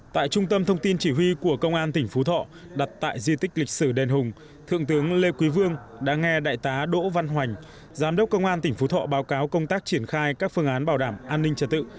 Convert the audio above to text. tại trung tâm thông tin chỉ huy của công an tỉnh phú thọ đặt tại di tích lịch sử đền hùng thượng tướng lê quý vương đã nghe đại tá đỗ văn hoành giám đốc công an tỉnh phú thọ báo cáo công tác triển khai các phương án bảo đảm an ninh trật tự